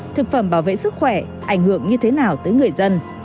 thực phẩm bảo vệ sức khỏe ảnh hưởng như thế nào tới người dân